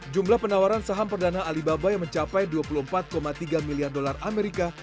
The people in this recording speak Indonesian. jumlah penawaran saham perdana alibaba yang mencapai dua puluh empat tiga miliar dolar amerika